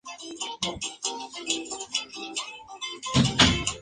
Ella hizo una aparición cameo en la serie de televisión "The Lying Game".